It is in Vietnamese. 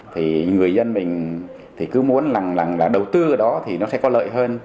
thì người dân mình cứ muốn là đầu tư ở đó thì nó sẽ có lợi hơn